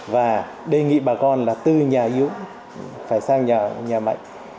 và đề nghị bà con là tư nhà yếu phải sang nhà mạnh